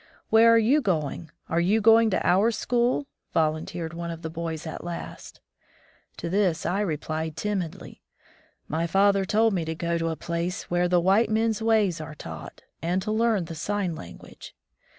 "Where are you going? Are you going to our school?" volunteered one of the boys at last. To this I replied timidly: "My father told me to go to a place where the white men's ways are taught, and to learn the sign language."